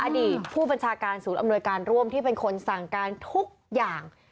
อดีตผู้บัญชาการศูนย์อำนวยการร่วมที่เป็นคนสั่งการทุกอย่าง